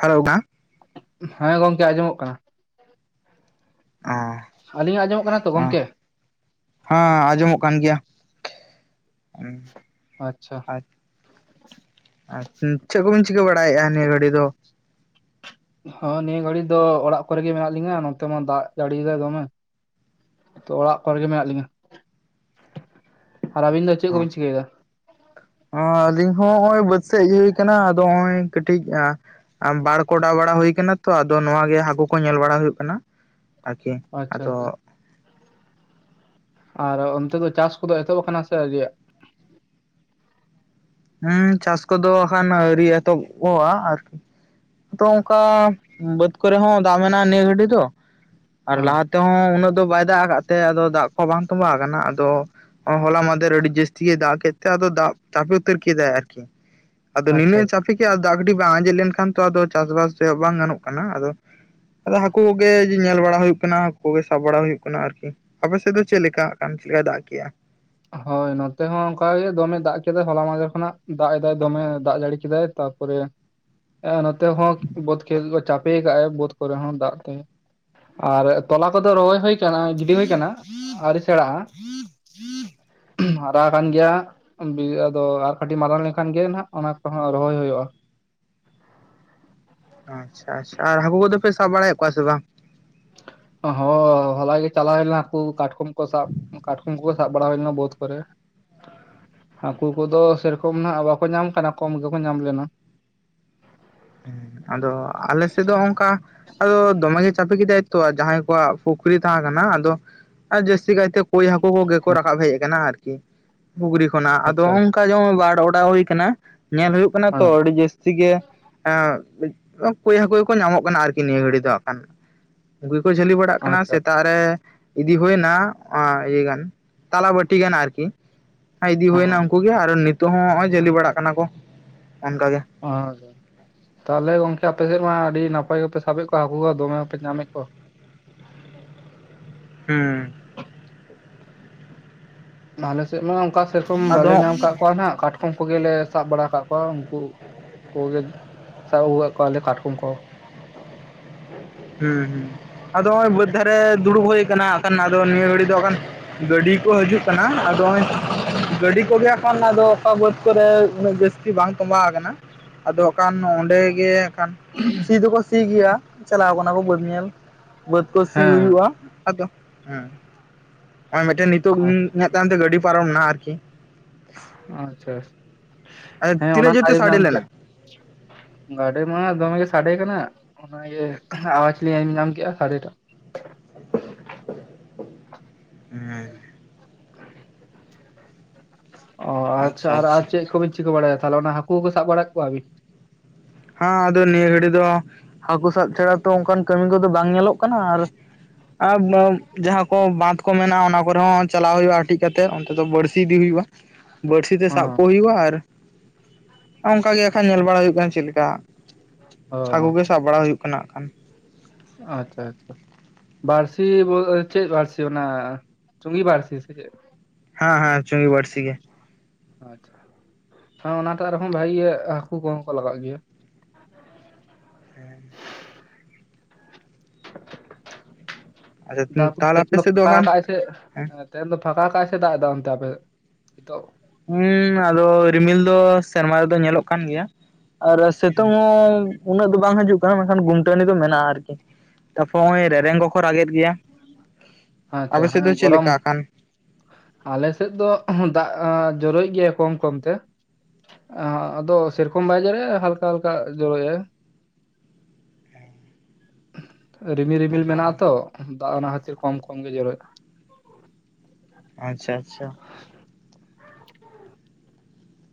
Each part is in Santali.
ᱦᱮᱞᱚᱣ, ᱵᱟᱝ ᱾ ᱦᱮᱸ, ᱜᱚᱝᱠᱮ ᱟᱸᱡᱚᱢᱚᱜ ᱠᱟᱱᱟ ᱾ ᱚᱦᱚᱸ ᱟᱹᱞᱤᱧᱟᱜ ᱟᱸᱡᱚᱢᱚᱜ ᱠᱟᱱᱟ ᱛᱚ ᱚᱸ ᱜᱚᱝᱠᱮ ᱦᱮᱸ, ᱟᱸᱡᱚᱢᱚᱜ ᱠᱟᱱ ᱜᱮᱭᱟ ᱾ ᱟᱪᱪᱷᱟ ᱾ ᱟᱨ ᱟᱨ, ᱦᱩᱸ ᱪᱮᱫ ᱠᱚᱵᱤᱱ ᱪᱤᱠᱟᱹ ᱵᱟᱲᱟᱭᱮᱫᱼᱟ ᱱᱤᱭᱟᱹ ᱜᱷᱟᱹᱲᱤ ᱫᱚ? ᱦᱚᱸ, ᱱᱤᱭᱟᱹ ᱜᱷᱟᱹᱲᱤ ᱫᱚ ᱚᱲᱟᱜ ᱠᱚᱨᱮ ᱜᱮ ᱢᱮᱱᱟᱜ ᱞᱤᱧᱟ ᱱᱚᱛᱮ ᱢᱟ ᱫᱟᱜ ᱡᱟᱹᱲᱤ ᱫᱟᱭ ᱫᱚᱢᱮ ᱾ ᱛᱚ, ᱚᱲᱟᱜ ᱠᱚᱨᱮ ᱜᱮ ᱢᱮᱱᱟᱜ ᱞᱤᱧᱟᱹ ᱾ ᱟᱨ ᱟᱹᱵᱤᱱ ᱫᱚ ᱪᱮᱫ ᱠᱚᱵᱤᱱ ᱪᱤᱠᱟᱹᱭᱮᱫᱟ? ᱦᱚᱸ, ᱱᱟᱹᱞᱤᱧ ᱦᱚᱸ ᱱᱚᱜᱼᱚᱭ ᱵᱟᱹᱫᱽ ᱥᱮᱡ ᱜᱮ ᱦᱮᱡ ᱦᱩᱭ ᱟᱠᱟᱱᱟ ᱟᱫᱚ ᱱᱚᱜᱼᱚᱭ ᱠᱟᱹᱴᱤᱡ ᱦᱮᱸ ᱟᱢ, ᱵᱟᱲ ᱠᱚ ᱚᱰᱟᱣ ᱵᱟᱲᱟ ᱦᱩᱭ ᱠᱟᱱᱟ ᱛᱚ ᱟᱫᱚ ᱱᱚᱶᱟ ᱜᱮ ᱦᱟᱹᱠᱩ ᱠᱚ ᱧᱮᱞ ᱵᱟᱲᱟ ᱦᱩᱭᱩᱜ ᱠᱟᱱᱟ ᱾ ᱟᱨᱠᱤ ᱟᱪᱪᱷᱟ ᱟᱫᱚ ᱟᱪᱪᱷᱟ ᱟᱨ ᱚᱱᱛᱮ ᱫᱚ ᱪᱟᱥ ᱠᱚᱫᱚ ᱮᱛᱚᱦᱚᱵ ᱟᱠᱟᱱᱟ ᱥᱮ ᱟᱹᱣᱨᱤᱭᱼᱟ? ᱦᱚᱸ, ᱪᱟᱥ ᱠᱚᱫᱚ ᱦᱟᱸᱱ ᱟᱹᱣᱨᱤ ᱮᱛᱚᱦᱚᱵᱚᱜ-ᱟ ᱟᱨᱠᱤ ᱾ ᱛᱚ ᱚᱱᱠᱟ ᱵᱟᱹᱫᱽ ᱠᱚᱨᱮ ᱦᱚᱸ ᱫᱟᱜ ᱢᱮᱱᱟᱜᱼᱟ ᱱᱤᱭᱟᱹ ᱜᱷᱟᱲᱤᱡ ᱫᱚ ᱟᱨ ᱦᱚᱸ ᱞᱟᱦᱟᱛᱮ ᱱᱚᱛᱮ ᱦᱚᱸ ᱩᱱᱟᱹᱜ ᱫᱚ ᱵᱟᱭ ᱫᱟᱜ ᱟᱠᱟᱫ ᱛᱮ, ᱟᱫᱚ ᱫᱟᱜ ᱠᱚ ᱵᱟᱝ ᱛᱚᱸᱵᱟᱣ ᱟᱠᱟᱱᱟ ᱟᱫᱚ ᱾ ᱦᱚᱞᱟ ᱢᱟᱦᱫᱮᱨ ᱟᱹᱰᱤ ᱡᱟᱹᱥᱛᱤᱭᱮ ᱜᱮ ᱫᱟᱜ ᱠᱮᱫ ᱛᱮ ᱟᱫᱚ ᱫᱟᱜ ᱡᱟᱯᱤᱫ ᱩᱛᱟᱹᱨ ᱠᱮᱫᱟᱭ ᱟᱨᱠᱤ ᱟᱫᱚ ᱟᱪᱪᱷᱟ ᱱᱤᱱᱟᱹ ᱟᱪᱪᱷᱟ ᱪᱟᱯᱤᱫ ᱮᱭᱟ, ᱫᱟᱜ ᱠᱟᱹᱴᱤᱡ ᱵᱟᱝ ᱟᱸᱡᱮᱫ ᱞᱮᱱᱠᱷᱟᱱ ᱛᱚ ᱟᱫᱚ ᱪᱟᱥᱵᱟᱥ ᱫᱚ ᱵᱟᱝ ᱜᱟᱱᱚᱜ ᱠᱟᱱᱟ ᱟᱫᱚ ᱾ ᱟᱫᱚ ᱦᱟᱹᱠᱩ ᱠᱚᱜᱮ ᱡᱮ, ᱧᱮᱞ ᱵᱟᱲᱟ ᱦᱩᱭᱩᱜ ᱠᱟᱱᱟ ᱦᱟᱹᱠᱩ ᱠᱚᱜᱮ ᱥᱟᱵ ᱵᱟᱲᱟ ᱦᱩᱭᱩᱜ ᱠᱟᱱᱟ ᱟᱨᱠᱤ ᱾ ᱟᱯᱮ ᱥᱮᱫ ᱫᱚ ᱪᱮᱫ ᱞᱮᱠᱟ ᱟᱠᱟᱱ ᱪᱮᱫ ᱞᱮᱠᱟ ᱫᱟᱜ ᱠᱮ-ᱜ ᱟᱭ? ᱦᱚᱭ ᱱᱚᱛᱮ ᱦᱚᱸ ᱚᱱᱠᱟ ᱜᱮ ᱫᱚᱢᱮ ᱫᱟᱜ ᱠᱮᱫᱟᱭ, ᱦᱚᱞᱟ ᱢᱟᱦᱫᱮᱨ ᱠᱷᱚᱱᱟᱜ ᱫᱟᱜ ᱮᱫᱟᱭ ᱫᱚᱢᱮ ᱫᱟᱜ ᱡᱟᱹᱲᱤ ᱠᱮᱫᱟᱭ ᱛᱟ ᱠᱚᱨᱮ ᱮᱸ, ᱱᱚᱛᱮ ᱦᱚᱸ ᱵᱟᱹᱫᱽ ᱠᱷᱮᱛ ᱠᱚ ᱪᱟᱯᱮᱭᱟ ᱠᱟᱜ ᱟᱭ ᱵᱟᱹᱫᱽ ᱠᱚᱨᱮ ᱦᱚᱸ ᱫᱟᱜ ᱛᱮ ᱾ ᱟᱨᱮᱜ ᱛᱚᱞᱟ ᱠᱚᱫᱚ ᱨᱚᱦᱚᱭ ᱦᱩᱭ ᱟᱠᱟᱱᱟ ᱜᱤᱰᱤ ᱦᱩᱭ ᱟᱠᱟᱱᱟ ᱟᱹᱣᱨᱤ ᱥᱮᱬᱟᱜᱼᱟ ᱾ ᱚᱦᱩᱸ, ᱦᱟᱨᱟ ᱟᱠᱟᱱ ᱜᱮᱭᱟ, ᱫᱤᱭᱮ ᱟᱫᱚ ᱟᱨ ᱠᱟᱹᱴᱤᱡ ᱢᱟᱨᱟᱝ ᱞᱮᱱᱠᱷᱟᱱ ᱜᱮ ᱱᱟᱜ ᱚᱱᱟ ᱠᱚᱦᱚᱸ ᱨᱚᱦᱚᱭ ᱦᱩᱭᱩᱜᱼᱟ ᱾ ᱟᱪᱪᱷᱟ ᱟᱪᱪᱷᱟ, ᱟᱨ ᱦᱟᱹᱠᱩ ᱠᱚᱫᱚ ᱯᱮ ᱥᱟᱵ ᱵᱟᱲᱮᱭᱟᱫ ᱠᱚᱣᱟ ᱥᱮ ᱵᱟᱝ? ᱦᱚᱸ, ᱦᱚᱞᱟ ᱜᱮ ᱪᱟᱞᱟᱣ ᱦᱩᱭᱱᱟ ᱦᱟᱹᱠᱩ ᱠᱟᱴᱠᱚᱢ ᱠᱚ ᱥᱟᱵ ᱾ ᱠᱟᱴᱠᱚᱢ ᱠᱚ ᱥᱟᱵ ᱵᱟᱲᱟ ᱦᱩᱭᱞᱮᱱᱟ ᱵᱟᱹᱫᱽ ᱠᱚᱨᱮ ᱾ ᱦᱟᱹᱠᱩ ᱠᱚᱫᱚ ᱥᱮᱨᱚᱠᱚᱢ ᱱᱟᱜ ᱵᱟᱠᱚ ᱧᱟᱢ ᱟᱠᱟᱱᱟ ᱠᱚᱢ ᱜᱮᱠᱚ ᱧᱟᱢ ᱞᱮᱱᱟ ᱾ ᱦᱮᱸ ᱟᱫᱚ ᱟᱞᱮ ᱥᱮᱫ ᱫᱚ ᱚᱱᱠᱟ ᱾ ᱟᱫᱚ ᱫᱚᱢᱮ ᱜᱮ ᱪᱟᱯᱮ ᱠᱮᱫᱟᱭ ᱛᱚ, ᱡᱟᱦᱟᱸᱭ ᱠᱚᱣᱟᱜ ᱯᱩᱠᱷᱨᱤ ᱛᱟᱦᱮᱸ ᱠᱟᱱᱟ, ᱟᱫᱚ ᱡᱟᱹᱥᱛᱤ ᱠᱟᱹᱭᱛᱮ ᱠᱳᱭ ᱦᱟᱹᱠᱩ ᱠᱚᱜᱮ ᱠᱚ ᱨᱟᱠᱟᱵ ᱦᱮᱡ ᱟᱠᱟᱱᱟ ᱟᱨᱠᱤ ᱾ ᱯᱩᱜᱽᱲᱨᱤ ᱠᱷᱚᱱᱟᱜ ᱟᱫᱚ ᱟᱪᱪᱷᱟ ᱚᱱᱠᱟ ᱡᱮᱢᱚᱱ ᱵᱟᱲ ᱚᱰᱟᱣ ᱦᱩᱭ ᱠᱟᱱᱟ, ᱧᱮᱞ ᱦᱩᱭᱩᱜ ᱠᱟᱱᱟ ᱛᱚ ᱦᱮᱸ ᱟᱹᱰᱤ ᱡᱟᱹᱥᱛᱤ ᱜᱮ ᱦᱮᱸ ᱠᱟᱡ ᱠᱳᱭ ᱦᱟᱠᱩ ᱜᱮᱠᱚ ᱧᱟᱢᱚᱜ ᱠᱟᱱᱟ ᱟᱨᱠᱤ ᱱᱤᱭᱟᱹ ᱜᱷᱟᱹᱲᱤ ᱫᱚ ᱦᱟᱸᱜ ᱠᱷᱟᱠ ᱩᱱᱠᱩ ᱜᱮᱠᱚ ᱡᱷᱟᱹᱞᱤ ᱵᱟᱲᱟᱜ ᱠᱟᱱᱟ ᱟᱪᱪᱷᱟ ᱥᱮᱫ ᱛᱟᱜ ᱨᱮ ᱤᱫᱤ ᱦᱳᱭᱱᱟ ᱟ ᱤᱭᱟᱹᱜᱟᱱ ᱛᱟᱞᱟ ᱵᱟᱹᱴᱤ ᱜᱟᱱ ᱟᱨᱠᱤ ᱤᱫᱤ ᱦᱩᱭᱱᱟ ᱦᱮᱸ ᱩᱱᱠᱩ ᱜᱮ ᱟᱨ ᱱᱤᱛᱚᱜ ᱦᱚᱸ ᱱᱚᱜᱼᱚᱭ ᱡᱟᱹᱞᱤ ᱵᱟᱲᱟᱜ ᱠᱟᱱᱟ ᱠᱚ ᱚᱱᱠᱟ ᱜᱮ ᱾ ᱟᱸᱻ ᱫᱚ ᱛᱟᱦᱚᱞᱮ ᱜᱚᱝᱠᱮ ᱟᱯᱮᱥᱮᱫ ᱢᱟ ᱟᱹᱰᱤ ᱱᱟᱯᱟᱭ ᱜᱮᱯᱮ ᱥᱟᱵᱮᱫ ᱠᱚᱣᱟ ᱦᱟᱹᱠᱩ ᱠᱚ ᱫᱚᱢᱮ ᱜᱮᱯᱮ ᱧᱟᱢᱮᱫ ᱠᱚᱣᱟ ᱾ ᱦᱮᱸ ᱱᱟᱞᱮ ᱥᱮᱫ ᱢᱟ ᱚᱱᱠᱟ ᱥᱮᱨᱚᱠᱚᱢ ᱵᱟᱞᱮ ᱟᱫᱚ ᱧᱟᱢ ᱟᱠᱟᱜ ᱠᱚᱣᱟ ᱱᱟᱜ ᱠᱟᱴ ᱩᱝᱠᱩ ᱜᱮᱞᱮ ᱥᱟᱵ ᱵᱟᱲᱟ ᱟᱠᱟᱫ ᱠᱚᱣᱟ ᱩᱱᱠᱩ [inaudible] ᱠᱚᱜᱮ [inaudible] ᱥᱟᱵ ᱩᱜᱩᱣᱟᱜ ᱠᱚᱣᱟᱞᱮ ᱠᱟᱴᱠᱚᱢ ᱠᱚ ᱾ ᱦᱮᱸ ᱦᱮᱸ ᱾ ᱟᱫᱚ ᱦᱚᱜ ᱚᱭ ᱵᱟᱹᱫᱽ ᱫᱷᱟᱨᱮ ᱫᱩᱲᱩᱵ ᱦᱩᱭ ᱟᱠᱟᱱᱟ ᱟᱠᱷᱟᱱ ᱟᱫᱚ ᱱᱤᱭᱟᱹ ᱜᱷᱟᱹᱲᱤᱡ ᱫᱚ ᱦᱟᱸᱜ ᱠᱷᱟᱱ ᱜᱟᱹᱰᱤ ᱠᱚ ᱦᱤᱡᱩᱜ ᱠᱟᱱᱟ᱾ ᱟᱫᱚ ᱱᱚᱜᱼᱚᱭ ᱜᱟᱹᱰᱤ ᱠᱚᱜᱮ ᱠᱷᱟᱱ ᱟᱫᱚ ᱚᱠᱟ ᱵᱟᱹᱫᱽ ᱠᱚᱨᱮ ᱩᱱᱟᱹᱜ ᱡᱟᱹᱥᱛᱤ ᱵᱟᱝ ᱛᱚᱸᱵᱟᱣ ᱟᱠᱟᱱᱟ ᱾ ᱟᱫᱚ ᱚᱠᱟᱱ ᱚᱸᱰᱮ ᱜᱮ ᱦᱟᱸᱜ ᱠᱷᱟᱱ ᱥᱤ ᱫᱚᱠᱚ ᱥᱤ ᱜᱮᱭᱟ, ᱪᱟᱞᱟᱣ ᱠᱟᱱᱟ ᱠᱚ ᱵᱟᱹᱫᱽ ᱧᱮᱞ ᱾ ᱵᱟᱹᱫᱽ ᱠᱚ ᱥᱤ ᱦᱩᱭᱩᱜ ᱦᱮᱸ ᱛᱚᱜᱼᱟ ᱟᱫᱚ ᱾ ᱦᱚ, ᱦᱚᱜ ᱚᱭ ᱢᱤᱫᱴᱮᱱ ᱱᱤᱛᱚᱜ ᱤᱧᱟᱹᱜ ᱛᱟᱭᱚᱢ ᱛᱮ ᱜᱟᱹᱰᱤ ᱯᱟᱨᱚᱢᱱᱟ ᱟᱨᱠᱤ ᱾ ᱟᱪᱪᱷᱟ ᱾ ᱦᱮᱸ ᱚᱱᱟ ᱛᱤᱱᱟᱹᱜ ᱡᱳᱨ ᱢᱟᱧ ᱛᱮ ᱟᱸᱡᱚᱢ ᱥᱟᱰᱮ ᱧᱟᱢ ᱞᱮᱱᱟ ᱠᱮᱜ ᱾ ᱜᱟᱰᱤ ᱢᱟ ᱫᱚᱢᱮ ᱜᱮ ᱥᱟᱰᱮ ᱠᱟᱱᱟ ᱚᱱᱟᱜᱮ ᱟᱣᱟᱡᱽ ᱞᱤᱧ ᱟᱸᱡᱚᱢ ᱧᱟᱢ ᱠᱮᱜᱼᱟ ᱥᱟᱰᱮ ᱴᱟᱜ ᱾ [unintelligible] ᱦᱮᱸ ᱚ ᱟᱪᱪᱷᱟ ᱟᱨ ᱟᱨ ᱪᱮᱫ ᱠᱚᱵᱤᱱ ᱪᱤᱠᱟᱹ ᱵᱟᱲᱟᱭᱟ ᱛᱟᱦᱚᱞᱮ ᱚᱱᱟ ᱦᱟᱹᱠᱩ ᱜᱮᱠᱩ ᱥᱟᱵ ᱵᱟᱲᱟᱭᱮᱫ ᱠᱚᱣᱟᱵᱤᱱ? ᱦᱟᱸ ᱟᱫᱚ ᱱᱤᱭᱟᱹ ᱜᱷᱟᱹᱲᱤᱡ ᱫᱚ ᱦᱟᱹᱠᱩ ᱥᱟᱵ ᱪᱷᱟᱲᱟ ᱛᱚ ᱚᱱᱠᱟᱱ ᱠᱟᱹᱢᱤ ᱠᱚᱫᱚ ᱵᱟᱝ ᱧᱮᱞᱚᱜ ᱠᱟᱱᱟ ᱟᱨ ᱟᱵ ᱵᱟᱹᱢ ᱡᱟᱦᱟᱸ ᱠᱚ ᱵᱟᱸᱫᱽ ᱠᱚ ᱢᱮᱱᱟᱜᱼᱟ ᱚᱱᱟ ᱠᱚᱨᱮ ᱦᱚᱸ ᱪᱟᱞᱟᱣ ᱦᱩᱭᱩᱜᱼᱟ ᱦᱟᱴᱤᱡ ᱠᱟᱛᱮᱜ, ᱚᱱᱛᱮ ᱫᱚ ᱵᱟᱹᱲᱥᱤ ᱤᱫᱤ ᱦᱩᱭᱩᱜᱼᱟ᱾ ᱵᱟᱹᱲᱥᱤ ᱛᱮ ᱥᱟᱵ ᱠᱚ ᱦᱚᱸ ᱦᱩᱭᱩᱜᱼᱟ᱾ ᱟᱨ ᱚᱱᱠᱟ ᱜᱮ ᱟᱠᱷᱟᱱ ᱧᱮᱞ ᱵᱟᱲᱟ ᱦᱩᱭᱩᱜ ᱠᱟᱱᱟ ᱪᱮᱫ ᱞᱮᱠᱟ ᱚ ᱾ ᱪᱷᱟᱠᱩ ᱜᱮ ᱥᱟᱵ ᱵᱟᱲᱟ ᱦᱩᱭᱩᱜ ᱠᱟᱱᱟ ᱦᱟᱜ ᱠᱷᱟᱱ᱾ ᱟᱪᱪᱷᱟ ᱟᱪᱪᱷᱟ ᱵᱟᱹᱲᱥᱤ ᱵᱳᱜᱼᱮ ᱪᱮᱫ ᱵᱟᱹᱲᱥᱤ ᱚᱱᱟ ᱪᱩᱝᱜᱤ ᱵᱟᱹᱲᱥᱤ ᱥᱮ ᱪᱮᱫ ᱦᱮᱸ ᱦᱮᱸ ᱪᱩᱝᱜᱤ ᱵᱟᱹᱲᱥᱤ ᱜᱮ ᱾ ᱟᱪᱪᱷᱟ ᱦᱮᱸ ᱚᱱᱟᱴᱟᱜ ᱨᱮᱦᱚ ᱵᱷᱟᱜᱤ ᱜᱮ ᱦᱟᱹᱠᱩ ᱠᱚᱦᱚᱸ ᱠᱚ ᱞᱟᱜᱟᱜ ᱜᱮᱭᱟ᱾ ᱦᱮᱸ ᱟᱪᱪᱷᱟ ᱛᱟᱨᱯᱚᱨ ᱛᱟᱦᱚᱞᱮ ᱟᱯᱮ ᱛᱮᱦᱮᱧ ᱥᱮᱫ ᱫᱚ ᱯᱷᱟᱠᱟ ᱠᱷᱟᱱ ᱠᱟᱜ ᱟᱭ ᱥᱮ ᱮ ᱛᱮᱦᱮᱧ ᱫᱚ ᱯᱷᱟᱠᱟ ᱠᱟᱜ ᱟᱭ ᱥᱮ ᱫᱟᱜ ᱮᱫᱟ ᱚᱱᱛᱮ ᱟᱯᱮ ᱦᱤᱛᱚᱜ ᱦᱩᱻ ᱟᱫᱚ ᱨᱤᱢᱤᱞ ᱫᱚ ᱥᱮᱨᱢᱟ ᱨᱮᱫᱚ ᱧᱮᱞᱚᱜ ᱠᱟᱱ ᱜᱮᱭᱟ ᱾ ᱟᱨ ᱥᱮᱛᱩᱝ ᱦᱚᱸ ᱩᱱᱟᱹᱜ ᱫᱚ ᱵᱟᱝ ᱦᱤᱡᱩᱜ ᱠᱟᱱᱟ ᱢᱮᱱᱠᱷᱟᱱ ᱜᱩᱢᱴᱟᱹᱱᱤ ᱫᱚ ᱢᱮᱱᱟᱜᱼᱟ ᱟᱨᱠᱤ ᱛᱟᱯᱚᱨ ᱦᱚᱜᱼᱚᱭ ᱨᱮᱨᱮᱝ ᱠᱚᱠᱚ ᱨᱟᱜᱮᱫ ᱦᱮᱸᱛᱚ ᱜᱮᱭᱟ᱾ᱟᱯᱮ ᱥᱮᱫ ᱫᱚ ᱪᱮᱫ ᱞᱮᱠᱟ ᱟᱠᱟᱱ ᱟᱞᱮᱥᱮᱫ ᱫᱚ ᱚᱦᱚ ᱫᱟᱜᱼᱟ ᱡᱚᱨᱚᱭᱮᱜ ᱜᱮᱭᱟ ᱠᱚᱢ ᱠᱚᱢ ᱛᱮ ᱟ ᱟᱫᱚ ᱥᱮᱨᱠᱚᱢ ᱵᱟᱭ ᱡᱮᱨᱮᱭᱮᱜᱼᱟ ᱦᱟᱞᱠᱟ ᱦᱟᱞᱠᱟ ᱡᱚᱨᱚᱭᱟᱭ ᱨᱤᱢᱤᱞ ᱨᱤᱢᱤᱞ ᱢᱮᱱᱟᱜᱼᱟ ᱛᱚ ᱫᱟᱜ ᱚᱱᱟ ᱠᱷᱟᱹᱛᱤᱨ ᱠᱚᱢ ᱠᱚᱢ ᱜᱮ ᱡᱚᱨᱚᱭᱮᱜᱼᱟ ᱟᱪᱪᱷᱟ ᱟᱪᱪᱷᱟ᱾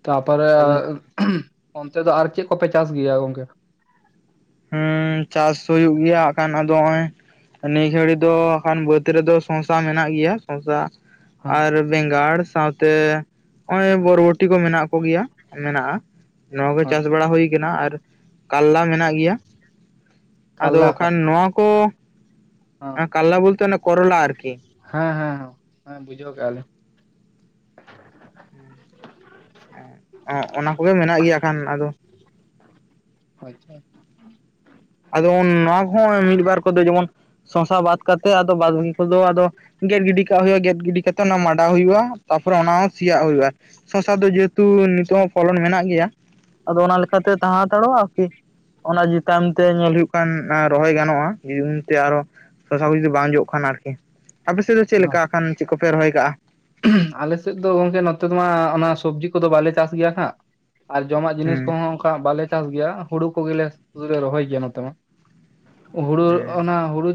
ᱛᱟᱯᱟᱨᱮ ᱟᱜ ᱚᱱᱛᱮ ᱫᱚ ᱟᱨ ᱪᱮᱫ ᱠᱚᱯᱮ ᱪᱟᱥ ᱜᱮᱭᱟ ᱜᱚᱝᱠᱮ? ᱦᱩᱸᱻ ᱪᱟᱥ ᱦᱩᱭᱩᱜ ᱜᱮᱭᱟ ᱦᱟᱜ ᱠᱷᱟᱱ ᱟᱫᱚ ᱦᱚᱜᱼᱚᱭ ᱱᱤ ᱜᱷᱟᱹᱲᱤ ᱫᱚ ᱠᱷᱟᱱ ᱵᱟᱹᱫᱽ ᱨᱮᱫᱚ ᱥᱚᱝᱥᱟ ᱢᱮᱱᱟᱜ ᱜᱮᱭᱟ ᱥᱚᱸᱥᱟ ᱟᱨ ᱦᱮᱸ ᱵᱮᱸᱜᱟᱲ ᱥᱟᱶᱛᱮ ᱚᱭ ᱵᱚᱨᱵᱚᱴᱤ ᱠᱚ ᱢᱮᱱᱟᱜ ᱠᱚᱜᱮᱭᱟ ᱢᱮᱱᱟᱜᱼᱟ᱾ ᱱᱚᱣᱟ ᱠᱚ ᱪᱟᱥ ᱟᱪᱪᱷᱟ ᱵᱟᱲᱟ ᱦᱩᱭ ᱠᱟᱱᱟ ᱟᱨ ᱠᱟᱞᱞᱟ ᱢᱮᱱᱟᱜ ᱜᱮᱭᱟ᱾ ᱟᱫᱚ ᱠᱟᱞᱞᱟ ᱠᱚ ᱠᱷᱟᱱ ᱱᱚᱣᱟ ᱠᱚ ᱦᱮᱸ ᱠᱟᱞᱞᱟ ᱵᱚᱞᱛᱮ ᱚᱱᱟ ᱠᱚᱨᱚᱞᱟ ᱟᱨᱠᱤ ᱦᱮᱸ ᱦᱮᱸ ᱦᱮ ᱦᱮᱸ ᱵᱩᱡᱷᱟᱹᱣ ᱠᱟᱜᱼᱟ ᱞᱤᱧ᱾ ᱚ ᱚᱱᱟ ᱠᱚᱜᱮ ᱢᱮᱱᱟᱜ ᱜᱮᱭᱟ ᱟᱠᱷᱟᱱ ᱟᱫᱚ [inaudible] ᱟᱪᱪᱷᱟ ᱟᱫᱚ ᱱᱚᱣᱟ ᱠᱚᱦᱚᱸ ᱢᱤᱫ ᱵᱟᱨ ᱠᱚᱫᱚ ᱡᱮᱢᱚᱱ ᱥᱚᱝᱥᱟ ᱵᱟᱫ ᱠᱟᱛᱮ ᱟ ᱵᱟᱫᱤ ᱠᱚᱫᱚ ᱟᱫᱚ ᱜᱮᱫ ᱜᱤᱰᱤ ᱠᱟᱜ ᱦᱩᱭᱩᱜᱼᱟ ᱜᱮᱫ ᱜᱤᱰᱤ ᱠᱟᱛᱮᱜ ᱚᱱᱟ ᱢᱟᱰᱟᱣ ᱦᱩᱭᱩᱜᱼᱟ ᱛᱟᱯᱚᱨᱮ ᱚᱱᱟ ᱥᱮᱭᱟᱜ ᱦᱩᱭᱩᱜᱼᱟ ᱥᱚᱥᱟ ᱫᱚ ᱡᱮᱦᱮᱛᱩ ᱱᱤᱛᱚᱜ ᱦᱚᱸ ᱯᱷᱚᱞᱚᱱ ᱢᱮᱱᱟᱜ ᱜᱮᱭᱟ ᱟᱫᱚ ᱚᱱᱟ ᱞᱮᱠᱟᱛᱮ ᱛᱟᱦᱮᱸ ᱦᱟᱛᱟᱲᱚᱜᱼᱟ ᱟᱨᱠᱤ ᱚᱱᱟ ᱡᱮ ᱛᱟᱭᱚᱢ ᱛᱮ ᱧᱮᱞᱳ ᱠᱟᱱ ᱨᱚᱦᱚᱭ ᱜᱟᱱᱚᱜᱼᱟ ᱡ ᱛᱮ ᱟᱨᱚ ᱥᱚᱥᱟ ᱠᱚ ᱡᱩᱫᱤ ᱵᱟᱝ ᱡᱚᱜ ᱠᱷᱟᱱ ᱟᱨᱠᱤ ᱟᱯᱮ ᱥᱮᱫ ᱫᱚ ᱪᱮᱫ ᱞᱮᱠᱟ ᱠᱷᱟᱱ ᱪᱮᱫ ᱠᱚᱯᱮ ᱨᱚᱦᱚᱭ ᱠᱟᱜᱼᱟ ᱟᱞᱮᱥᱮᱫ ᱫᱚ ᱜᱚᱝᱠᱮ ᱱᱚᱛᱮ ᱫᱚ ᱢᱟ ᱚᱱᱟ ᱥᱚᱵᱽᱡᱤ ᱠᱚᱫᱚ ᱵᱟᱞᱮ ᱪᱟᱥ ᱜᱮᱭᱟ ᱦᱜ ᱟᱨ ᱡᱚᱢᱟᱜ ᱡᱤᱱᱤᱥ ᱦᱩᱸ ᱠᱚᱦᱚᱸ ᱚᱱᱠᱟ ᱵᱟᱞᱮ ᱪᱟᱥ ᱜᱮᱭᱟ ᱦᱩᱲᱩ ᱠᱚᱜᱮᱞᱮ ᱨᱚᱦᱚᱭ ᱜᱮᱭᱟ ᱱᱚᱛᱮ ᱢᱟ ᱦᱩᱲᱩ ᱦᱩᱸ ᱚᱱᱟ ᱦᱩᱲᱩ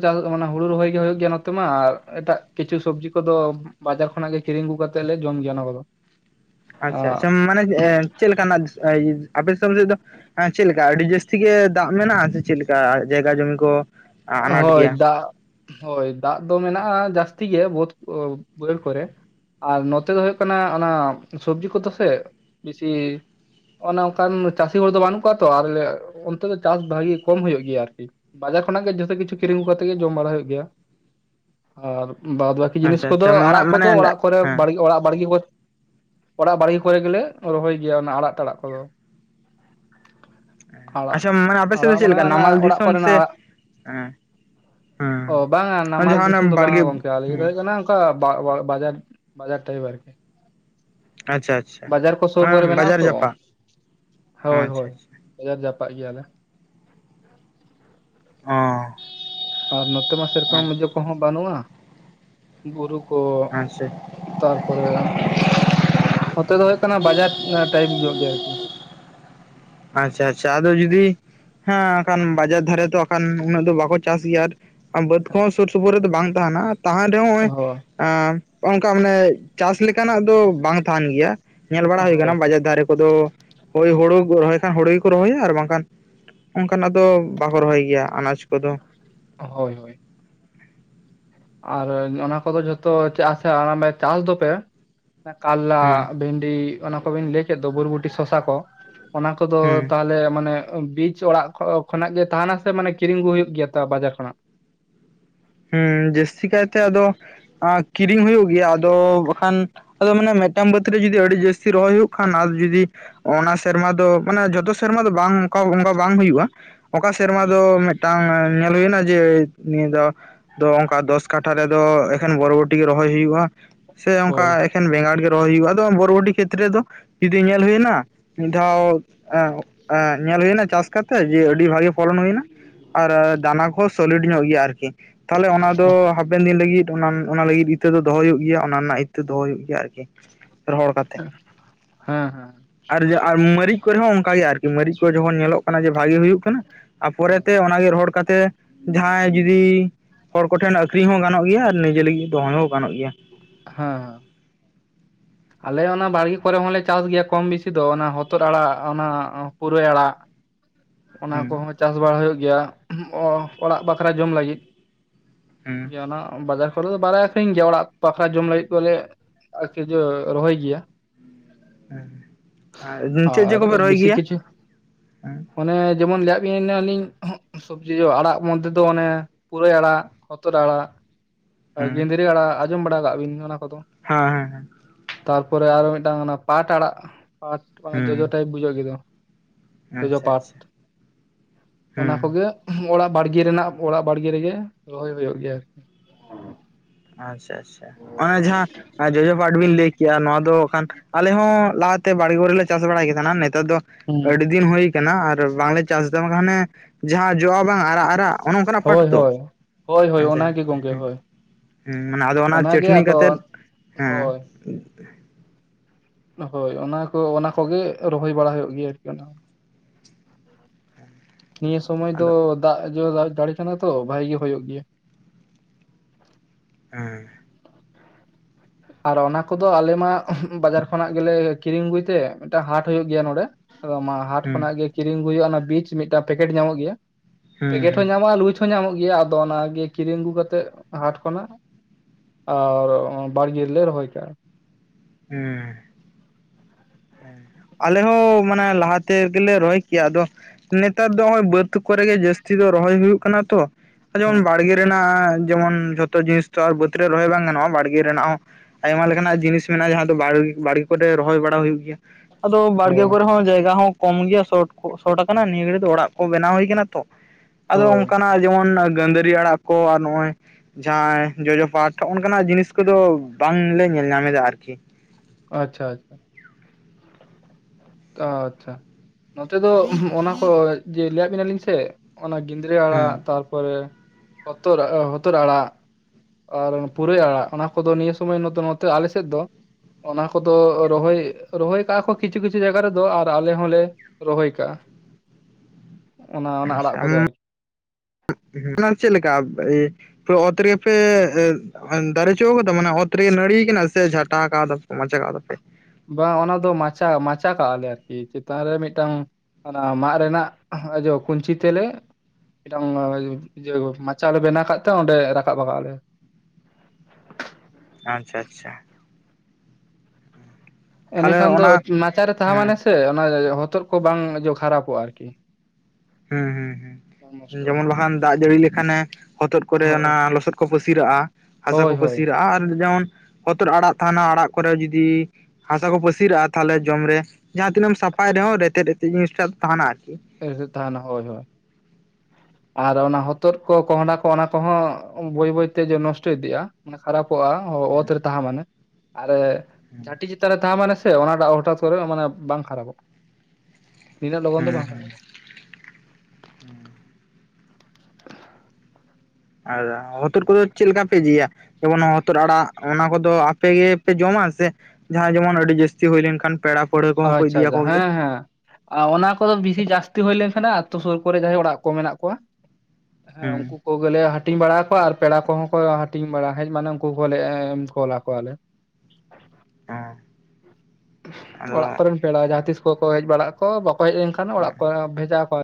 ᱦᱩᱲᱩ ᱨᱚᱦᱚᱭ ᱜᱮ ᱦᱩᱭᱩᱜ ᱜᱮᱭᱟ ᱱᱚᱛᱮ ᱢᱟ ᱟᱨ ᱮᱴᱟᱜ ᱠᱤᱪᱷᱩ ᱥᱚᱵᱡᱤ ᱠᱚᱫᱚ ᱵᱟᱡᱟᱨ ᱠᱷᱱᱟᱜ ᱠᱤᱨᱤ ᱟᱹᱜᱩ ᱠᱟᱛᱮ ᱞᱮ ᱡᱚᱢ ᱜᱮᱭᱟ ᱚᱱᱟ ᱠᱚᱫᱚ ᱟᱪᱷᱟ ᱟᱪ ᱢᱟᱱᱮ ᱪᱮᱫ ᱞᱮᱠᱟᱱᱟᱜ ᱟᱯᱮ ᱫᱤᱥᱚᱢ ᱥᱮᱫ ᱫᱚ ᱦᱮᱸ ᱪᱮᱫ ᱞᱮᱠᱟ ᱟᱹᱰᱤ ᱡᱟᱹᱥᱛᱤ ᱜᱮ ᱫᱟᱜ ᱢᱮᱱᱟᱜᱼᱟ ᱥᱮ ᱪᱮᱫ ᱞᱮᱠᱟ ᱡᱟᱭᱜᱟ ᱡᱚᱢᱤ ᱠᱚ ᱟᱱᱟᱴ ᱦᱳᱭ ᱜᱮᱭᱟ ᱫᱟᱜ ᱦᱳᱭ ᱫᱟᱜ ᱫᱚ ᱢᱮᱱᱟᱜᱼᱟ ᱡᱟᱹᱥᱛᱤ ᱜᱮ ᱵᱳᱹᱫᱽ ᱵᱟᱹ [unintelligible] ᱵᱟᱹᱲ ᱠᱚᱨᱮ ᱟᱨ ᱱᱚᱛᱮ ᱫᱚ ᱦᱩᱭᱩᱜ ᱠᱟᱱᱟ ᱚᱱᱟ ᱥᱚᱵᱽᱡᱤ ᱠᱚᱫᱚ ᱥᱮ ᱵᱤᱥᱤ ᱚᱱᱮ ᱚᱱᱠᱟᱱ ᱪᱟᱹᱥᱤ ᱦᱚᱲ ᱫᱚ ᱵᱟᱹᱱᱩᱜ ᱠᱚᱣᱟ ᱛᱚ ᱟᱨ ᱚᱱᱛᱮ ᱫᱚ ᱪᱟᱥ ᱵᱷᱟᱜᱤ ᱠᱚᱢ ᱦᱩᱭᱩᱜᱭ ᱜᱮᱭᱟ ᱟᱨᱠᱤ ᱵᱟᱡᱟᱨ ᱠᱷᱚᱱᱟᱜ ᱜᱮ ᱡᱷᱚᱛᱚ ᱠᱤᱪᱷᱩ ᱠᱤᱨᱤᱧ ᱟᱹᱜ ᱠᱟᱛᱮ ᱜᱮ ᱡᱚᱢ ᱵᱟᱲᱟ ᱦᱩᱭᱩᱜ ᱜᱮᱭᱟ ᱟᱨ ᱵᱟᱫ ᱵᱟᱠᱤ ᱡᱤᱱᱤᱥ ᱟᱪᱪᱷᱟ ᱠᱚᱫᱚ ᱟᱪᱪᱷᱟ ᱟᱲᱟᱜ ᱢᱟᱱᱮ ᱠᱚᱫᱚ ᱦᱮᱸ ᱚᱲᱟᱜ ᱠᱚᱨᱮ ᱚᱲᱟᱜ ᱵᱟᱲᱜᱮ ᱠᱚ ᱚᱲᱟᱜ ᱵᱲᱦᱮ ᱠᱚᱨᱮ ᱜᱮᱞᱮ ᱨᱚᱦᱚᱭ ᱜᱮᱭᱟ ᱚᱱᱟ ᱟᱲᱟᱜᱴᱟᱲᱟᱜ ᱠᱚᱫᱚ [inaudible] ᱟᱪᱷᱟ ᱢᱟᱱᱮ ᱟᱯᱮ ᱥᱮᱫ ᱫᱚ ᱟᱲᱟᱜ ᱪᱮᱫ ᱢᱟᱱᱮ ᱞᱮᱠᱟ ᱚᱱᱟ ᱱᱟᱢᱟᱞ ᱚᱲᱟᱜ ᱫᱤᱥᱚᱢ ᱥᱮ ᱠᱚᱨᱮᱱᱟᱜ ᱟᱲᱟᱜ ᱦᱸ ᱚ ᱵᱟᱝᱟ ᱱᱟ ᱢᱟᱞ ᱡᱟᱦᱟᱸ ᱫᱤᱥᱚᱢ ᱚᱱᱟ ᱫᱚ ᱵᱟᱲᱜᱮ ᱵᱟᱝᱟ ᱜᱚᱢᱠᱮ ᱫᱚ ᱦᱮᱸ ᱦᱩᱭᱩᱜ ᱠᱟᱱᱟ ᱵᱟᱡᱟᱨ ᱵᱟᱡᱟᱨ ᱴᱟᱭᱤᱵ ᱟᱨᱠᱤ ᱟᱪᱪᱷᱟ ᱟᱪᱪᱷᱟ ᱵᱟᱡᱟᱨ ᱠᱚ ᱥᱩᱨ ᱠᱚᱨᱮ ᱦᱮᱸ ᱢᱮᱱᱟᱜ ᱵᱟᱡᱟᱨ ᱟᱛᱚ ᱡᱟᱯᱟᱜ ᱦᱳᱭ ᱦᱳᱭ ᱟᱪᱪᱷᱟ ᱵᱟᱡᱟᱨ ᱡᱟᱯᱟᱜ ᱜᱮᱭᱟ ᱞᱮ ᱟᱪᱪᱷᱟ ᱚ ᱟᱨ ᱱᱚᱛᱮ ᱢᱟ ᱥᱮᱨᱚᱠᱚᱢ ᱚᱡᱚᱜ ᱠᱚᱦᱚᱸ ᱵᱟᱹᱱᱩᱜᱼᱟ ᱵᱩᱨᱩ ᱠᱚ ᱛᱟᱨᱯᱚᱨᱮ ᱱᱚᱛᱮ ᱫᱚ ᱦᱩᱭᱩᱜ ᱠᱟᱱᱟ ᱵᱟᱡᱟᱨ ᱴᱟᱭᱤᱢ ᱧᱚᱜ ᱜᱮ ᱟᱨᱠᱤ ᱟᱪᱷᱟ ᱟᱪᱷᱟ ᱟᱫᱚ ᱡᱩᱫᱤ ᱦᱮᱸᱟᱱ ᱠᱷᱟᱱ ᱵᱟᱡᱟᱨ ᱫᱷᱟᱨᱮ ᱛᱚᱟᱱ ᱩᱱᱟᱹᱜ ᱫᱚ ᱵᱟᱠᱚ ᱪᱟᱥ ᱜᱮᱭᱟ ᱟᱨ ᱟᱨ ᱵᱟᱹᱫᱽ ᱦᱮᱸ ᱠᱚᱦᱚᱸ ᱥᱩᱨ ᱥᱩᱯᱩᱨ ᱨᱮᱫᱚ ᱵᱟᱝ ᱛᱟᱦᱮᱱᱟ ᱛᱟᱦᱮᱱ ᱨᱮᱦᱚᱸ ᱦᱳᱭ ᱱᱚᱜᱚᱭ ᱚᱱᱠᱟ ᱢᱟᱱᱮ ᱪᱟᱥ ᱞᱮᱠᱟᱱᱟᱜ ᱫᱚ ᱵᱟᱝ ᱛᱟᱦᱮᱱ ᱜᱮᱭᱟ ᱧᱮᱞ ᱵᱟᱲᱟ ᱦᱩᱭ ᱦᱳᱭ ᱟᱠᱟᱱᱟ ᱵᱟᱡᱟᱨ ᱫᱷᱟᱨᱮ ᱠᱚᱫᱚ ᱦᱳᱭ ᱦᱩᱲᱩ ᱨᱚᱦᱚᱭ ᱠᱷᱟᱱ ᱦᱩᱲᱩ ᱜᱮᱠᱚ ᱨᱚᱦᱚᱭᱟ ᱟᱨ ᱵᱟᱝᱠᱷᱟᱱ ᱚᱱᱠᱟᱱᱟᱜ ᱫᱚ ᱵᱟᱠᱚ ᱨᱚᱦᱚᱭ ᱜᱮᱭᱟ ᱟᱱᱟᱡᱽ ᱠᱚᱫᱚ ᱦᱳᱭ ᱦᱳᱭ ᱟᱨ ᱚᱱᱟ ᱠᱚᱫᱚ ᱡᱷᱚᱛᱚ ᱪᱮᱫᱟᱜ ᱥᱮ ᱚᱱᱟ ᱪᱟᱥ ᱫᱚᱯᱮ ᱠᱟᱨᱞᱟ ᱦᱮᱸ ᱵᱷᱮᱱᱰᱤ ᱚᱱᱟ ᱠᱚᱵᱤᱱ ᱞᱟᱹᱭ ᱠᱮᱫ ᱫᱚ ᱵᱩᱨᱩᱵᱩᱴᱤ ᱥᱚᱥᱟ ᱠᱚ ᱚᱱᱟ ᱠᱚᱫᱚ ᱦᱮᱸ ᱛᱟᱦᱚᱞᱮ ᱢᱟᱱᱮ ᱵᱤᱪ ᱪᱚᱲᱟᱜ ᱠᱷᱚᱱᱟᱜ ᱜᱮ ᱛᱟᱦᱮᱱᱟ ᱥᱮ ᱢᱟᱱᱮ ᱠᱤᱨᱤ ᱟᱹᱜᱩ ᱦᱩᱭᱩᱜ ᱜᱮᱭᱟ ᱛᱚ ᱵᱟᱡᱟᱨ ᱠᱷᱚᱱᱟᱜ ᱦᱮᱸ ᱡᱟᱹᱥᱛᱤ ᱠᱟᱭᱛᱮ ᱟᱫᱚ ᱠᱤᱨᱤᱧ ᱦᱩᱭᱩᱜ ᱜᱮᱭᱟ ᱟᱫᱚ ᱵᱟᱠᱷᱟᱱ ᱟᱫᱚ ᱢᱟᱱᱮ ᱢᱤᱫᱴᱟᱝ ᱵᱟᱹᱛ ᱨᱮ ᱡᱩᱫᱤ ᱟᱹᱰᱤ ᱡᱟᱹᱥᱛᱤ ᱨᱚᱦᱚᱭ ᱦᱩᱭᱩᱜ ᱠᱷᱟᱱ ᱟᱨ ᱡᱩᱫᱤ ᱚᱱᱟ ᱥᱮᱨᱢᱟ ᱫᱚ ᱢᱟᱱᱮ ᱡᱚᱛᱚ ᱥᱮᱨᱢᱟ ᱫᱚ ᱵᱟᱝ ᱚᱱᱠᱟ ᱚᱸᱠᱟ ᱵᱟᱝ ᱦᱩᱭᱩᱜᱼᱟ ᱚᱠᱟ ᱥᱮᱨᱢᱟ ᱫᱚ ᱢᱤᱫᱴᱟᱝ ᱧᱮᱞ ᱦᱩᱭᱱᱟ ᱡᱮ ᱱᱤᱭᱟᱹ ᱫᱚ ᱫᱚ ᱚᱱᱠᱟ ᱫᱚᱥ ᱠᱟᱴᱷᱟ ᱨᱮᱫᱚ ᱮᱠᱷᱮᱱ ᱵᱚᱨᱚᱵᱚᱴ ᱜᱮ ᱨᱚᱦᱚᱭ ᱦᱩᱭᱩᱜᱼᱟ ᱥᱮ ᱚᱱᱠᱟ ᱦᱳᱭ ᱠᱷᱮᱱ ᱵᱮᱸᱜᱟᱲ ᱜᱮ ᱨᱚᱦᱚᱭ ᱦᱩᱭᱩᱜᱼᱟ ᱟᱫᱚ ᱵᱚᱨᱚᱵᱚᱨᱚᱴᱤ ᱠᱷᱮᱛᱨᱮ ᱫᱚ ᱡᱩᱫᱤ ᱧᱮᱞ ᱦᱩᱭᱮᱱᱟ ᱢᱤᱫ ᱫᱷᱟᱣ [unintelligible] ᱧᱮᱞ ᱦᱩᱭᱱᱟ ᱪᱟᱥ ᱠᱟᱛᱮᱜ ᱡᱮ ᱟᱹᱰᱤ ᱵᱷᱟᱜᱤ ᱯᱷᱚᱞᱚᱱ ᱦᱩᱭᱱᱟ ᱟᱨ ᱫᱟᱱᱟ ᱠᱚᱦᱚᱸ ᱥᱚᱞᱤᱰ ᱧᱚᱜ ᱜᱮᱭᱟ ᱟᱨᱠᱤ ᱛᱟᱦᱚᱞᱮ ᱚᱱᱟ ᱫᱚ ᱦᱟᱯᱮᱱ ᱫᱤᱱ ᱞᱟᱹᱜᱤᱫ ᱚᱱᱟ ᱚᱱᱟ ᱞᱟᱹᱜᱤᱫ ᱤᱛᱟᱹ ᱫᱚ ᱫᱚᱦᱚ ᱦᱩᱭᱩᱜ ᱜᱮᱭᱟ ᱚᱱᱟ ᱨᱮᱱᱟᱜ ᱤᱛᱟᱹ ᱫᱚᱦᱚ ᱦᱩᱭᱩᱜ ᱜᱮᱭᱟ ᱟᱨᱠᱤ ᱾ ᱨᱚᱦᱚᱲ ᱠᱟᱛᱮ ᱦᱮᱸ ᱦᱮᱸ ᱟᱨ ᱢᱟᱹᱨᱤᱪ ᱠᱚᱨᱮ ᱦᱚᱸ ᱚᱱᱠᱟ ᱜᱮ ᱟᱨᱠᱤ ᱢᱟᱹᱨᱤᱪ ᱠᱚ ᱡᱚᱠᱷᱚᱱ ᱧᱮᱞᱚᱜ ᱠᱟᱱᱟ ᱡᱮ ᱵᱷᱟᱜᱤ ᱦᱩᱭᱩᱜ ᱠᱟᱱᱟ ᱟᱨ ᱦᱮᱸ ᱯᱚᱨᱮᱛᱮ ᱚᱱᱟᱜᱮ ᱨᱚᱲ ᱠᱟᱛᱮ ᱡᱟᱦᱟᱸᱭ ᱡᱩᱫᱤ ᱦᱚᱲ ᱠᱚᱴᱷᱮᱱ ᱟᱠᱷᱨᱤᱧ ᱦᱚᱸ ᱜᱟᱱᱚᱜ ᱜᱮᱭᱟ ᱟᱨ ᱱᱤᱡᱮ ᱞᱟᱹᱜᱤᱫ ᱫᱚᱦᱚᱭ ᱦᱚᱸ ᱜᱟᱱᱚᱜ ᱜᱮᱭᱟ᱾ ᱦᱟᱸ᱾ ᱟᱞᱮ ᱚᱱᱟ ᱵᱟᱲᱜᱮ ᱠᱚᱨᱮ ᱦᱚᱸᱞᱮ ᱪᱟᱥ ᱜᱮᱭᱟ ᱠᱚᱢ ᱵᱮᱥᱤ ᱫᱚ ᱚᱱᱟ ᱦᱚᱛᱚᱫ ᱟᱲᱟᱜ ᱚᱱᱟ ᱯᱩᱨᱟᱹᱭ ᱟᱲᱟᱜ᱾ ᱚᱱᱟ ᱦᱩᱸ ᱠᱚᱦᱚᱸ ᱪᱟᱥ ᱵᱟᱲᱟ ᱦᱩᱭᱩᱜ ᱜᱮᱭᱟ ᱚ ᱚᱲᱟᱜ ᱵᱟᱠᱷᱨᱟ ᱡᱚᱢ ᱞᱟᱹᱜᱤᱫ᱾ ᱦᱩᱸ ᱡᱟᱱᱟ ᱵᱟᱡᱟᱨ ᱠᱚᱨᱮ ᱫᱚ ᱵᱟᱞᱟᱭ ᱟᱠᱠᱷᱨᱤᱧ ᱜᱮᱭᱟ ᱚᱲᱟᱜ ᱵᱟᱠᱷᱨᱟ ᱡᱚᱢ ᱞᱟᱹᱜᱤᱫ ᱫᱚᱞᱮ ᱟᱨᱠᱤ ᱤᱭᱟᱹ ᱨᱚᱦᱚᱭ ᱜᱮᱭᱟ ᱦᱩᱸ ᱟᱨ ᱪᱮᱫ ᱪᱮᱫ ᱟᱨ ᱠᱚᱯᱮ ᱨᱚᱦᱚᱭ ᱵᱤᱥᱤ ᱜᱮᱭᱟ ᱠᱤᱪᱷᱩ, ᱦᱮᱸ ᱚᱱᱮ ᱡᱮᱢᱚᱱ ᱞᱟᱹᱭᱟᱜ ᱵᱤᱱᱟᱞᱤᱧ ᱚᱦᱚᱸᱜ ᱥᱚᱵᱽᱡᱤ ᱦᱚ ᱟᱲᱟᱜ ᱢᱚᱫᱽᱫᱷᱮ ᱫᱚ ᱚᱱᱮ ᱯᱩᱨᱟᱹᱭ ᱟᱲᱟᱜ, ᱦᱚᱛᱚᱫ ᱟᱲᱟᱜ, ᱦᱮᱸ ᱜᱮᱸᱫᱽᱨᱤ ᱟᱲᱟ ᱟᱸᱡᱚᱢ ᱵᱟᱲᱟ ᱠᱟᱜ ᱵᱤᱱ ᱚᱱᱟ ᱠᱚᱫᱚ? ᱦᱮᱸ ᱦᱮᱸ ᱾ ᱛᱟᱨᱯᱚᱨᱮ ᱟᱨᱚ ᱢᱮᱫᱴᱟᱝ ᱚᱱᱟ ᱯᱟᱴ ᱟᱲᱟᱜ ᱯᱟᱴ ᱢᱟᱱᱮ ᱡᱚᱡ ᱦᱮᱸ ᱴᱟᱭᱤᱯ ᱵᱩᱡᱟᱹᱜ ᱜᱮᱫᱚ᱾ [unintelligible] ᱟᱪᱪᱷᱟ ᱯᱟᱴ ᱟᱪᱪᱷᱟ ᱚᱱᱟ ᱦᱩᱸ ᱠᱚᱜᱮ, ᱚᱲᱟᱜ ᱵᱟᱲᱜᱮ ᱨᱮᱱᱟᱜ ᱚᱲᱟᱜ ᱵᱟᱲᱜᱮ ᱨᱮᱜᱮ ᱨᱚᱦᱚᱭ ᱦᱩᱭᱩᱜ ᱜᱮᱭᱟ ᱟᱨᱠᱤ ᱟᱪᱷᱟ ᱟᱪᱷᱟ ᱚᱱᱮ ᱡᱟᱦᱟᱸ ᱡᱚᱡᱚ ᱯᱟᱴ ᱵᱤᱱ ᱞᱟᱹᱭ ᱠᱮᱭᱟ ᱱᱚᱣᱟ ᱫᱚ ᱠᱟᱱ ᱟᱞᱮ ᱦᱚᱸ ᱞᱟᱦᱟᱛᱮ ᱵᱟᱲᱜᱮ ᱨᱮᱞᱮ ᱪᱟᱥ ᱵᱟᱲᱟᱭ ᱠᱮᱫ ᱱᱮᱛᱟᱨ ᱫᱚ ᱦᱩᱸ ᱟᱹᱰᱤ ᱫᱤᱱ ᱦᱩᱭᱠ ᱟᱨ ᱵᱟᱝᱞᱮ ᱪᱟᱥ ᱮᱫᱟ ᱵᱟᱝᱠᱷᱟᱱᱮ ᱡᱟᱦᱟᱸ ᱡᱚᱜᱼᱟ ᱵᱟᱝ ᱟᱨᱟᱜ ᱟᱨᱟᱜ ᱚᱱᱟ ᱚᱱᱠᱟᱱᱟᱜ ᱯᱟᱴ ᱦᱳᱭ ᱛᱚ ᱦᱳᱭ ᱦᱳᱭ ᱦᱳᱭ ᱟᱪᱪᱷᱟ ᱚᱱᱟᱜᱮ ᱜᱚᱝᱠᱮ ᱦᱮᱸ, ᱦᱳᱭ ᱦᱩᱢ ᱢᱟᱱᱮ ᱟᱫᱚ ᱚᱱᱟ ᱚᱱᱟᱜᱮ ᱪᱟᱹᱴᱱᱤ ᱟᱫᱚ ᱠᱟᱛᱮᱜ ᱦᱮᱸ, ᱦᱳᱭ ᱦᱳᱭ ᱚᱱᱟ ᱠᱚ ᱚᱱᱟ ᱠᱚᱜᱮ ᱨᱚᱦᱚᱭ ᱵᱟᱲᱟ ᱦᱩᱭᱩᱜ ᱜᱮᱭᱟ ᱟᱨᱠᱤ ᱚᱱᱟ ᱾ ᱱᱤᱭᱟᱹ ᱥᱚᱢᱚᱭ ᱫᱚ ᱟᱫᱚ ᱫᱟᱜ ᱡᱚᱨᱚ ᱫᱟᱜ ᱡᱟᱹᱲᱤ ᱠᱟᱱᱟᱭ ᱛᱚ ᱵᱷᱟᱜᱤ ᱜᱮ ᱦᱳᱭᱳᱜ ᱜᱮᱭᱟ᱾ ᱦᱩᱸ᱾ ᱟᱨ ᱚᱱᱟ ᱠᱚᱫᱚ ᱟᱞᱮ ᱢᱟ ᱵᱟᱡᱟᱨ ᱠᱷᱚᱱᱟᱜ ᱜᱮᱞᱮ ᱠᱤᱨᱤᱧ ᱟᱹᱜᱩᱭ ᱛᱮ ᱢᱤᱫᱴᱟᱝ ᱦᱟᱴ ᱦᱳᱭᱳᱜ ᱜᱮᱭᱟ ᱱᱚᱰᱮ ᱚᱱᱟ ᱢᱟ ᱦᱟᱴ ᱦᱩᱸ ᱠᱷᱚᱱᱟᱜ ᱜᱮ ᱠᱤᱨᱤᱧ ᱟᱜᱩ ᱦᱩᱭᱩᱜᱼᱟ ᱚᱱᱟ ᱵᱤᱪ ᱢᱤᱫᱴᱟᱝ ᱯᱮᱠᱮᱴ ᱧᱟᱢᱚᱜ ᱜᱤᱭᱟ ᱦᱩᱸ ᱯᱮᱠᱮᱴ ᱦᱩᱸ ᱦᱚᱸ ᱧᱟᱢᱚᱜᱼᱟ ᱞᱩᱢᱽ ᱦᱚᱸ ᱧᱟᱢᱚᱜ ᱜᱮᱭᱟ ᱟᱫᱚ ᱚᱱᱟᱜᱮ ᱠᱤᱨᱤᱧ ᱟᱹᱜᱩ ᱠᱟᱛᱮ ᱦᱟᱴ ᱠᱷᱚᱱᱟᱜ ᱟᱨᱼᱼ ᱵᱲᱜᱮᱨᱮᱞᱮ ᱨᱚᱦᱚᱭ ᱠᱟᱜᱼᱟ ᱦᱩᱸ᱾ ᱦᱮᱸ ᱟᱞᱮ ᱦᱚᱸ ᱢᱟᱱᱮ ᱞᱟᱦᱟ ᱛᱮ ᱜᱮᱞᱮ ᱨᱚᱦᱚᱭ ᱠᱮᱭᱟ ᱟᱫᱚ ᱱᱮᱛᱟᱨ ᱫᱚ ᱱᱚᱜᱼᱚᱭ ᱵᱟᱹᱫᱽ ᱠᱚᱨᱮᱜ ᱜᱮ ᱡᱟᱹᱥᱛᱤ ᱫᱚ ᱨᱚᱦᱚᱭ ᱦᱩᱭᱩᱜ ᱠᱟᱱᱟ ᱛᱚ ᱡᱮᱢᱚᱱ ᱦᱮᱸ ᱵᱟᱲᱜᱮ ᱨᱮᱱᱟᱜ᱾ ᱡᱮᱢᱚᱱ ᱡᱷᱚᱛᱚ ᱡᱤᱱᱤᱥ ᱛᱚ ᱟᱨ ᱵᱟᱹᱛ ᱨᱮ ᱨᱚᱦᱚᱭ ᱵᱟᱝ ᱜᱟᱱᱚᱜᱼᱟ ᱵᱟᱲᱜᱮ ᱨᱮᱱᱟᱜ ᱦᱚᱸ᱾ ᱟᱭᱢᱟ ᱞᱮᱠᱟᱱᱟᱜ ᱡᱤᱱᱤᱥ ᱢᱮᱱᱟᱜᱼᱟ ᱡᱟᱦᱟᱸ ᱫᱚ ᱵᱟᱲᱜᱤ ᱵᱟᱲᱜᱤ ᱠᱚᱨᱮ ᱨᱚᱦᱚᱭ ᱵᱟᱲᱟ ᱦᱩᱭᱩᱜ ᱜᱮᱭᱟ ᱟᱫᱚ ᱵᱟᱲᱜᱮ ᱦᱳᱭ ᱠᱚᱨᱮ ᱦᱚᱸ ᱡᱟᱭᱜᱟ ᱦᱚᱸ, ᱠᱚᱢ ᱜᱮᱭᱟ ᱥᱚᱴ ᱠᱚ ᱥᱚᱴ ᱠᱟᱱᱟ ᱱᱤᱭᱟᱹ ᱜᱷᱟᱹᱲᱤᱡ ᱫᱚ ᱚᱲᱟᱜ ᱠᱚ ᱵᱮᱱᱟᱣ ᱦᱩᱭ ᱠᱟᱱᱟ ᱛᱚ᱾ ᱟᱫᱚ ᱦᱳᱭ ᱚᱝᱠᱟᱱᱟᱜ ᱡᱮᱢᱚᱱ ᱜᱟᱹᱫᱟᱹᱨᱤ ᱟᱲᱟᱜ ᱠᱚ ᱟᱨ ᱱᱚᱜᱼᱚᱭ, ᱡᱟᱦᱟᱸ ᱡᱚᱡᱚ ᱯᱟᱴᱜ ᱚᱝᱼᱠᱟᱱᱟᱜ ᱡᱤᱱᱤᱥ ᱠᱚᱫᱚ ᱵᱟᱝᱞᱮ ᱧᱮᱞ ᱧᱟᱢ ᱮᱫᱟ ᱟᱨᱠᱤ᱾ ᱟᱪᱪᱷᱟᱪ ᱟᱪᱪᱷᱟ᱾ ᱟᱪᱪᱷᱟ ᱱᱚᱛᱮ ᱫᱚ ᱚᱱᱟ ᱠᱚ ᱡᱮ ᱞᱟᱹᱭᱟᱜ ᱵᱤᱱᱟᱞᱤᱧ ᱥᱮ, ᱚᱱᱟ ᱜᱤᱸᱫᱽᱨᱟᱹ ᱦᱮᱸ ᱟᱲᱟᱜ ᱛᱟᱨᱯᱚᱨᱮ ᱦᱚᱛᱚᱫᱽ ᱦᱚᱛᱚᱫᱽ ᱟᱲᱟᱜ᱾ ᱟᱨ ᱯᱩᱨᱟᱹᱭ ᱟᱲᱟᱜ ᱚᱱᱟ ᱠᱚᱫᱚ ᱱᱤᱭᱟᱹ ᱥᱚᱢᱚᱭ ᱱᱚᱛᱮ ᱱᱚᱛᱮ ᱟᱞᱮ ᱥᱮᱫ ᱫᱚ, ᱚᱱᱟ ᱠᱚᱫᱚ ᱨᱚᱦᱚᱭ ᱨᱚᱦᱚᱭ ᱠᱟᱜᱼᱟ ᱠᱚ ᱠᱤᱪᱷᱩ ᱠᱤᱪᱷᱩ, ᱠᱤᱪᱷᱩ ᱡᱟᱭᱜᱟ ᱨᱮᱫᱚ ᱟᱨ ᱟᱞᱮ ᱦᱚᱸᱞᱮ ᱨᱚᱦᱚᱭ ᱠᱟᱜᱼᱟ ᱾ ᱚᱱᱟ ᱚᱱᱟ ᱟᱲᱟᱜ ᱟᱪᱪᱷᱟ ᱟᱢ ᱠᱚᱫᱚ ᱟᱨᱠᱤ ᱾ [inaudible] ᱚᱱᱟ ᱪᱮᱫ ᱞᱮᱠᱟ ᱚᱛ ᱨᱮᱜᱮᱯᱮ? ᱫᱟᱨᱮ ᱚᱪᱚ ᱠᱟᱫᱟ ᱢᱟᱱᱮ ᱚᱛ ᱨᱮᱜᱮ ᱱᱟᱹᱲᱤ ᱠᱟᱱᱟ ᱥᱮ ᱡᱷᱟᱴᱟ ᱠᱟᱣᱫᱟᱯᱮ ᱢᱟᱪᱟ ᱠᱟᱣᱫᱟᱯᱮ? ᱵᱟᱝ ᱚᱱᱟ ᱫᱚ ᱢᱟᱪᱟ ᱢᱟᱪᱟ ᱠᱟᱜ ᱟᱞᱮ ᱟᱨᱠᱤ ᱪᱮᱛᱟᱱ ᱨᱮ ᱢᱤᱫᱴᱟᱝ ᱾ ᱚᱱᱟ ᱢᱟᱜ ᱨᱮᱱᱟᱜ ᱠᱩᱧᱪᱤ ᱛᱮᱞᱮ ᱢᱤᱫᱴᱟᱝ ᱤᱭᱟᱹ ᱢᱟᱪᱟ ᱞᱮ ᱵᱮᱱᱟᱣ ᱠᱟᱜᱛᱮ ᱚᱸᱰᱮ ᱨᱟᱠᱟᱵ ᱠᱟᱜᱼᱟ ᱞᱮ ᱾ ᱟᱪᱪᱷᱟ ᱟᱪᱪᱷᱟ᱾ ᱛᱟᱦᱚᱞᱮ ᱮᱸᱰᱮᱠᱷᱟᱱ ᱫᱚ ᱚᱱᱟ ᱢᱟᱪᱟᱨᱮ ᱛᱟᱦᱮᱸ ᱢᱟᱱᱮ ᱦᱮᱸ ᱥᱮ ᱚᱱᱟ ᱦᱚᱛᱚᱫ ᱠᱚ ᱵᱟᱝ ᱡᱚ ᱠᱷᱟᱨᱟᱯᱚᱜᱼᱟ ᱟᱨᱠᱤ᱾ ᱦᱮᱸ ᱦᱮᱸ ᱦᱮᱸ ᱵᱟᱝ ᱱᱚᱥᱴᱚᱜᱼᱟ ᱡᱮᱢᱚᱱ ᱵᱟᱠᱷᱟᱱ ᱫᱟᱜ ᱡᱟᱲᱤ ᱞᱮᱠᱷᱟᱱᱮ ᱦᱚᱛᱚᱫ ᱠᱚᱨᱮ ᱚᱱᱟ ᱞᱚᱥᱚᱫ ᱠᱚ ᱯᱟᱥᱤᱨᱟᱜᱼᱟ᱾ ᱦᱟᱥᱟ ᱦᱳᱭ ᱠᱚ ᱦᱳᱭ ᱯᱟᱹᱥᱤᱨᱟᱜᱼᱟ ᱟᱨ ᱡᱮᱢᱚᱱ ᱦᱚᱛᱚᱫ ᱟᱲᱟᱜ ᱛᱟᱦᱮᱱᱟ, ᱟᱲᱟᱜ ᱠᱚᱨᱮ ᱡᱩᱫᱤ ᱦᱟᱥᱟ ᱠᱚ ᱯᱟᱹᱥᱤ ᱨᱟᱜᱼᱟ ᱛᱟᱦᱚᱞᱮ ᱡᱚᱢ ᱨᱮ ᱡᱟᱦᱟᱸ ᱛᱤᱱᱟᱹᱜ ᱮᱢ ᱥᱟᱯᱷᱟᱭ ᱨᱮᱦᱚᱸ ᱨᱮᱛᱮᱫ ᱨᱮᱛᱮᱫ ᱡᱤᱱᱤᱥ ᱴᱟ ᱛᱟᱦᱮᱱᱟ ᱟᱨᱠᱤ ᱮᱥᱮᱜ ᱛᱟᱦᱮᱱᱟ ᱦᱳᱭ ᱦᱳᱭ ᱟᱨ ᱚᱱᱟ ᱦᱚᱛᱚᱫ ᱠᱚ ᱠᱚᱸᱦᱰᱟ ᱠᱚ ᱚᱱᱟ ᱠᱚᱦᱚᱸ ᱵᱟᱹᱭ ᱵᱟᱹᱭᱛᱮ ᱱᱚᱥᱴᱚ ᱤᱫᱤᱜᱼᱟ ᱠᱷᱟᱨᱟᱯᱚᱜᱼᱟ ᱦᱚ ᱚᱛ ᱦᱮᱸ ᱨᱮ ᱛᱟᱦᱮᱸ ᱢᱟᱱᱮ ᱟᱨ ᱡᱷᱟᱴᱤ ᱪᱮᱛᱟᱱ ᱨᱮ ᱛᱟᱦᱮᱸ ᱢᱟᱱᱮ ᱛᱮ ᱚᱱᱟᱴᱟᱜ ᱦᱚᱴᱟᱛ ᱠᱚᱨᱮ ᱢᱟᱱᱮ ᱵᱟᱝ ᱠᱷᱟᱨᱟᱯᱚᱜᱼᱟ ᱱᱤᱱᱟᱹᱜ ᱞᱚᱜᱚᱱ ᱫᱚ ᱦᱮᱸ ᱵᱟᱝ ᱦᱮᱸ ᱠᱷᱟᱨᱟᱯᱚᱜ-ᱟ ᱦᱮᱸ ᱟᱨ ᱦᱚᱛᱚᱫ ᱠᱚᱫᱚ ᱪᱮᱫ ᱞᱮᱠᱟ ᱯᱮ ᱡᱤᱭᱟ ᱡᱮᱢᱚᱱ ᱦᱚᱛᱚᱫ ᱟᱲᱟᱜ ᱚᱱᱟ ᱠᱚᱫᱚ ᱟᱯᱮ ᱜᱮ ᱯᱮ ᱡᱚᱢᱟ ᱥᱮ ᱡᱟᱦᱟᱸᱭ ᱡᱮᱢᱚᱱ ᱟᱹᱰᱤ ᱡᱟᱹᱥᱛᱤ ᱦᱩᱭ ᱞᱮᱱᱠᱷᱟᱱ ᱯᱮᱲᱟ ᱯᱟᱹᱲᱦᱟᱹ ᱠᱚᱦᱚᱸ ᱠᱚ ᱤᱫᱤᱭᱟᱠᱚ ᱜᱮᱭᱟ ᱟ ᱚᱱᱟ ᱠᱚᱫᱚ ᱵᱮᱥᱤ ᱡᱟᱥᱛᱤ ᱦᱩᱭ ᱞᱮᱱᱠᱷᱟᱱ ᱟᱛᱳ ᱥᱩᱨ ᱠᱚᱨᱮ ᱡᱟᱦᱟᱸᱭ ᱚᱲᱟᱜ ᱠᱚ ᱢᱮᱱᱟᱜ ᱠᱚᱣᱟ ᱦᱮᱸ ᱦᱩᱸ ᱩᱱᱠᱩ ᱠᱚᱜᱮᱞᱮ ᱦᱟᱹᱴᱤᱧ ᱵᱟᱲᱟ ᱠᱚᱣᱟ ᱟᱨ ᱯᱮᱲᱟ ᱠᱚᱦᱚᱸ ᱠᱚ ᱦᱟᱹᱴᱤᱧ ᱵᱟᱲᱟ ᱦᱮᱡ ᱢᱟᱱᱮ ᱩᱱᱠᱩ ᱠᱚᱞᱮ ᱮᱢ ᱠᱚᱞ ᱟᱠᱚ ᱟᱞᱮ ᱦᱮᱸ ᱚᱲᱟᱜ ᱠᱚᱨᱮᱱ ᱯᱮᱲᱟ ᱡᱟᱦᱟᱸ ᱛᱤᱥ ᱠᱚ ᱠᱚ ᱦᱮᱡ ᱵᱟᱲᱟᱜ ᱠᱚ ᱵᱟᱠᱚ ᱦᱮᱡ ᱞᱮᱱᱠᱷᱟᱱ ᱚᱲᱟᱜ ᱠᱚᱨᱮ ᱵᱷᱮᱡᱟ